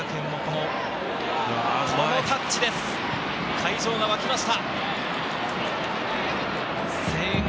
会場が沸きました。